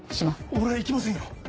俺行きませんよ。